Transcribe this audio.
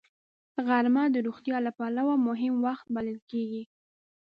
غرمه د روغتیا له پلوه مهم وخت بلل کېږي